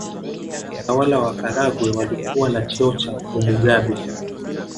Watawala wa Karagwe walikuwa na cheo cha Umugabe